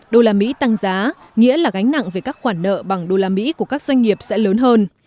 đô la mỹ tăng giá nghĩa là gánh nặng về các khoản nợ bằng đô la mỹ của các doanh nghiệp sẽ lớn hơn